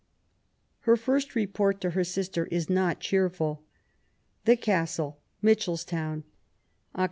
Her first report to her sister is not cheerful :— The Oastle, Mitchelstown, Oct.